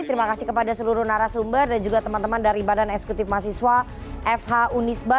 terima kasih kepada seluruh narasumber dan juga teman teman dari badan eksekutif mahasiswa fh unisba